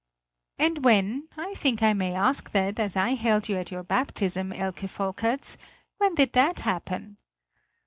"And when I think I may ask that, as I held you at your baptism, Elke Volkerts when did that happen?"